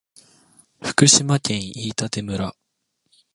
福島県飯舘村